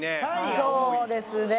そうですね。